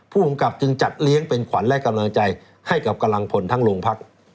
ผู้กำกับจึงจัดเลี้ยงเป็นขวัญและกำลังใจให้กับกำลังพลทั้งโรงพัก